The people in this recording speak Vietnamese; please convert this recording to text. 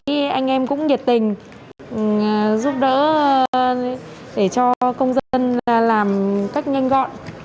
thì anh em cũng nhiệt tình giúp đỡ để cho công dân làm cách nhanh gọn